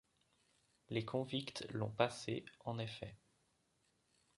Les convicts l’ont passé, en effet.